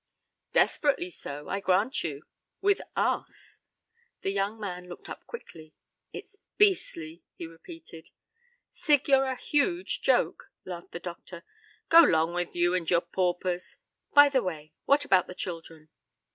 "Desperately so, I grant you with us." The young man looked up quickly. "It's beastly," he repeated. "Sig, you're a huge joke," laughed the doctor. "Go 'long with you and your paupers. By the way, what about the children?"